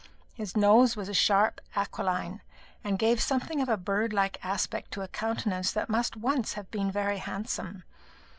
His nose was a sharp aquiline, and gave something of a bird like aspect to a countenance that must once have been very handsome.